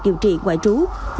điều trị ngoại trú